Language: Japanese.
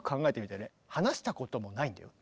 話したこともないんだよ。